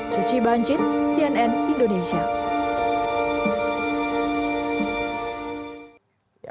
suci banjit cnn indonesia